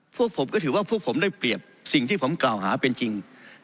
พวกผมก็ถือว่าพวกผมได้เปรียบสิ่งที่ผมกล่าวหาเป็นจริง